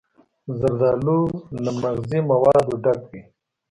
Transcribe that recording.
زردالو له مغذي موادو ډک وي.